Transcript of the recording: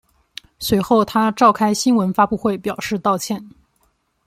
随后他召开新闻发布会表示道歉。